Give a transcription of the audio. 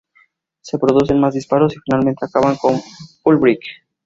Se producen más disparos y finalmente acaban con Fullbright.